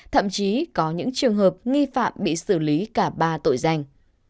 trường hợp nghi phạm bị xử lý cả ba tội danh